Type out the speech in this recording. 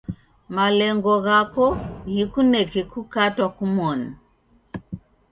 Malengo ghako ghikuneke kukatwa kumoni.